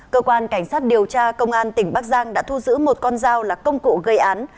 cơ quan cảnh sát điều tra công an tỉnh bắc giang đã thu giữ một con dao là công cụ gây án